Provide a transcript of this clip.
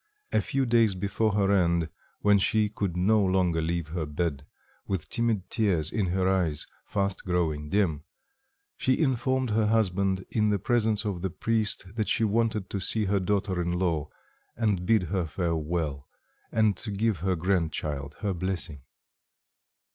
A few days before her end, when she could no longer leave her bed, with timid tears in her eyes, fast growing dim, she informed her husband in the presence of the priest that she wanted to see her daughter in law and bid her farewell, and to give her grand child her blessing.